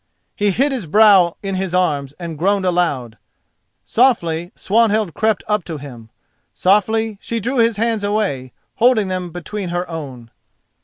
He hid his brow in his arms and groaned aloud. Softly Swanhild crept up to him—softly she drew his hands away, holding them between her own.